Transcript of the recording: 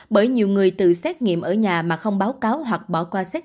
bởi nhiều người tự xét nghiệm ở nhà mà không báo cáo